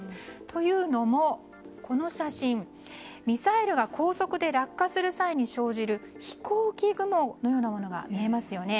というのもこの写真ミサイルが高速で落下する際に生じる、飛行機雲のようなものが見えますよね。